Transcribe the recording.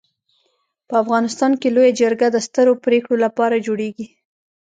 په افغانستان کي لويه جرګه د سترو پريکړو لپاره جوړيږي.